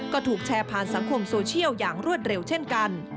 ก็ถูกแชร์ผ่านสังคมโซเชียลอย่างรวดเร็วเช่นกัน